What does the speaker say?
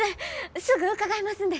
すぐ伺いますんで！